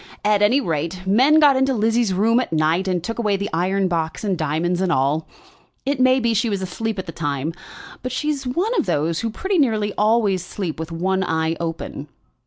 At any rate, men got into Lizzie's room at night and took away the iron box and diamonds and all. It may be she was asleep at the time; but she's one of those who pretty nearly always sleep with one eye open."